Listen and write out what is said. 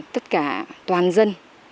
tất cả toàn dân